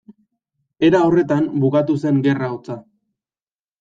Era horretan bukatu zen Gerra Hotza.